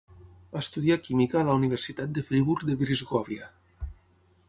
Estudià química a la Universitat de Friburg de Brisgòvia.